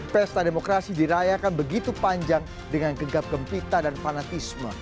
pesta demokrasi dirayakan begitu panjang dengan gegap gempita dan fanatisme